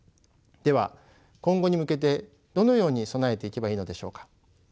では今後に向けてどのように備えていけばいいのでしょうか。